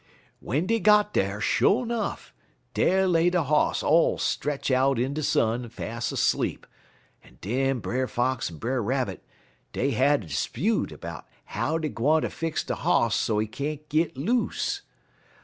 "W'en dey got dar, sho' nuff, dar lay de Hoss all stretch out in de sun, fas' 'sleep, en den Brer Fox en Brer Rabbit, dey had a 'spute 'bout how dey gwine ter fix de Hoss so he can't git loose.